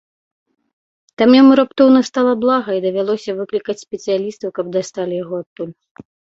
Там яму раптоўна стала блага і давялося выклікаць спецыялістаў, каб дасталі яго адтуль.